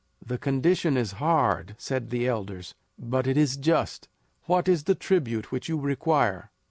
"The condition is hard," said the elders, "but it is just. What is the tribute which you require?"